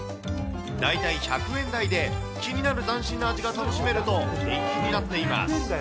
大体１００円台で気になる斬新な味が楽しめると、人気になっています。